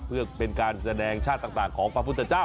เพื่อเป็นการแสดงชาติต่างของพระพุทธเจ้า